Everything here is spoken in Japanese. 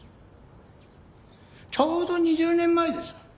ちょうど２０年前です。